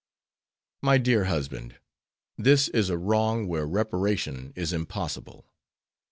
"My dear husband, this is a wrong where reparation is impossible.